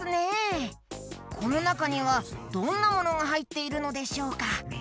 このなかにはどんなものがはいっているのでしょうか？